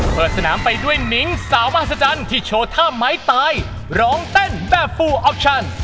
เปิดสนามไปด้วยนิ้งสาวมหัศจรรย์ที่โชว์ท่าไม้ตายร้องเต้นแบบฟูออปชัน